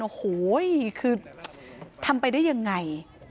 โอ้โหคือทำไปได้ยังไง